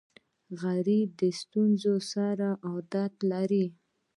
غریب د ستونزو سره عادت لري